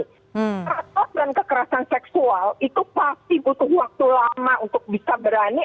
kekerasan dan kekerasan seksual itu pasti butuh waktu lama untuk bisa berani